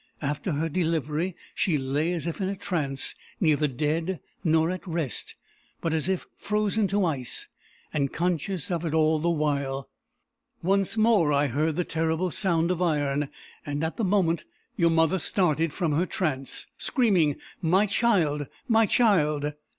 After her delivery, she lay as if in a trance, neither dead, nor at rest, but as if frozen to ice, and conscious of it all the while. Once more I heard the terrible sound of iron; and, at the moment, your mother started from her trance, screaming, 'My child! my child!